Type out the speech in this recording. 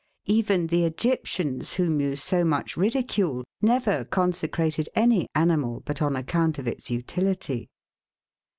Even the Egyptians, whom you so much ridicule, never consecrated any animal but on account of its utility.